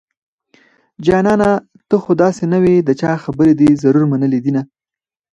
جانانه ته خو داسې نه وي د چا خبرې دې ضرور منلي دينه